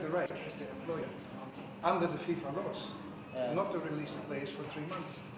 dan tidak bisa diambil